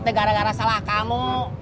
itu gara gara salah kamu